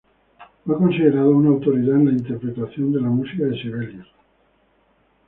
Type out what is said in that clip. Fue considerado una autoridad en la interpretación de la música de Sibelius.